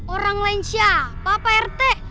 orang lain siapa pak rete